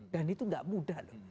dan itu gak mudah loh